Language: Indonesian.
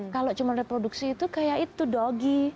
kalau cuma reproduksi itu kayak itu dogi